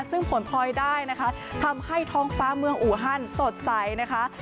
ซึ่งผลพลอยได้นะคะทำให้ท้องฟ้าเมืองอูฮันสดใสนะคะ